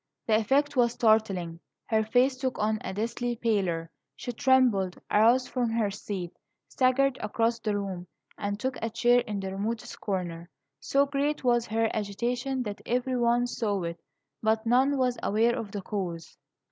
The effect was startling. Her face took on a deathly pallor; she trembled, arose from her seat, staggered across the room, and took a chair in the remotest corner. So great was her agitation that every one saw it, but none was aware of the cause.